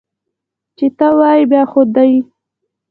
چې ته وایې، بیا خو دي!